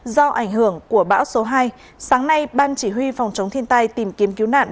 do ảnh hưởng của bão số hai sáng nay ban chỉ huy phòng chống thiên tai tìm kiếm cứu nạn